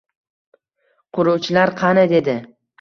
— Quruvchilar qani? — dedi.